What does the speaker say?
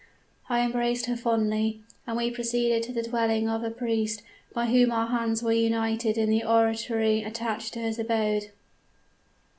"I embraced her fondly; and we proceeded to the dwelling of a priest, by whom our hands were united in the oratory attached to his abode.